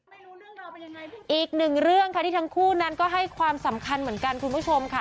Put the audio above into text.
ไม่รู้เรื่องราวเป็นยังไงอีกหนึ่งเรื่องค่ะที่ทั้งคู่นั้นก็ให้ความสำคัญเหมือนกันคุณผู้ชมค่ะ